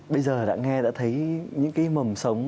bây giờ đã nghe đã thấy những cái mầm sống